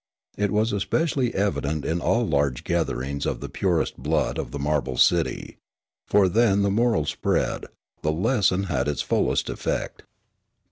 It was especially evident in all large gatherings of the purest blood of the marble city ; for then the moral spread, the lesson had its fullest eifect.